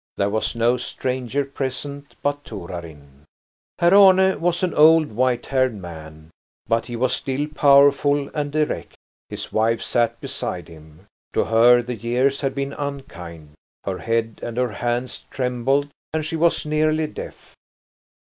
There was no stranger present but Torarin. Herr Arne was an old white haired man, but he was still powerful and erect. His wife sat beside him. To her the years had been unkind; her head and her hands trembled, and she was nearly deaf.